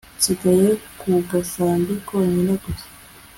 nsigaye ku gasambi konyine gusa